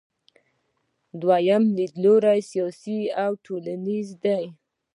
دویم لیدلوری سیاسي او ټولنیز دی.